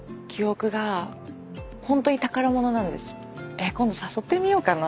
えっ今度誘ってみようかな。